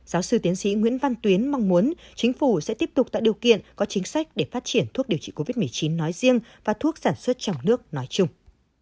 giáo sư tiến sĩ nguyễn văn tuyến mong muốn chính phủ sẽ tiếp tục tạo điều kiện có chính sách để phát triển thuốc điều trị covid một mươi chín nói riêng và thuốc sản xuất trong nước nói chung